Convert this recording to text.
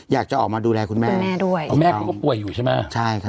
อยากจะออกมาดูแลคุณแม่คุณแม่ด้วยคุณแม่เขาก็ป่วยอยู่ใช่ไหมใช่ครับ